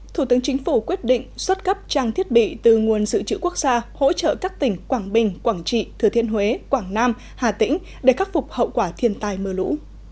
thủ tướng chính phủ quyết định xuất cấp trang thiết bị từ nguồn sự trữ quốc gia hỗ trợ các tỉnh quảng bình quảng trị thừa thiên huế quảng nam hà tĩnh để khắc phục hậu quả thiên tai mưa lũ